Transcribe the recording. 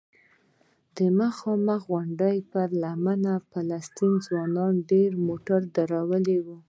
د مخامخ غونډۍ پر لمنه فلسطینی ځوانانو ډېر موټر درولي وو.